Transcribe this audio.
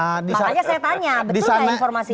makanya saya tanya betul gak informasi itu